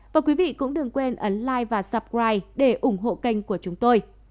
và quý vị cũng đừng quên ấn like và subscribe để ủng hộ kênh của chúng tôi